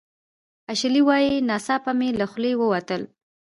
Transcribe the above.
اشلي وايي "ناڅاپه مې له خولې ووتل